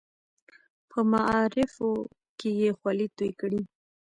په معارفو کې یې خولې تویې کړې.